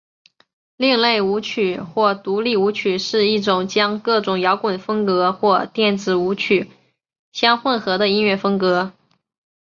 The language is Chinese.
另类舞曲或独立舞曲是一种将各种摇滚风格与电子舞曲相混合的音乐风格。